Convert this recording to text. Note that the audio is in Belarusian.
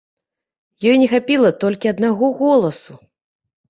Ёй не хапіла толькі аднаго голасу.